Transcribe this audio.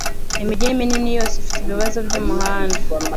Imijyi minini yose ifite ibibazo byumuhanda